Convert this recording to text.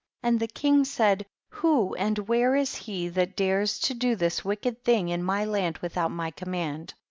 22. And the king said, who and where is he that dares to do this wicked thing in my land without my command